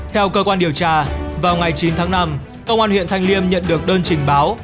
theo cơ quan điều tra vào ngày chín tháng năm công an huyện thanh liêm nhận được đơn trình báo